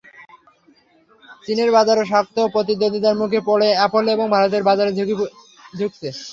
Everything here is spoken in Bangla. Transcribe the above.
চীনের বাজারে শক্ত প্রতিদ্বন্দ্বিতার মুখে পড়ে অ্যাপল এখন ভারতের বাজারের দিকে ঝুঁকছে।